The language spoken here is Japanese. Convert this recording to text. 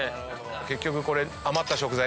結局これ。